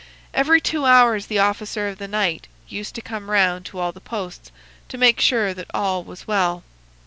Every two hours the officer of the night used to come round to all the posts, to make sure that all was well.